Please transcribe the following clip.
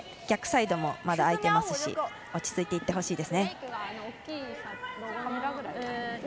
逆サイドも空いていますし落ち着いていってほしいですね。